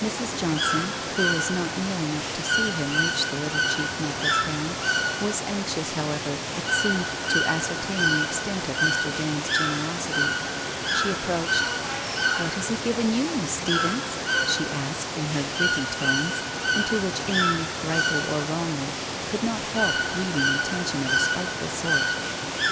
Mrs. Johnson, who was not near enough to see him reach the little cheap necklace down, was anxious, however, it seemed, to ascer tain the extent of Mr. Dand's generosity. She approached : WHITE ROSE OF WEARY LEAF 363 ' What has he given you, Miss Stephens ?' she asked in her gritty tones, into which Amy, rightly or wrongly, could not help reading intention of a spiteful sort.